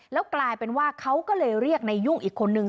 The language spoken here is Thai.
แล้วกลายเป็นว่าเขาก็เลยเรียกในยุ่งอีกคนนึง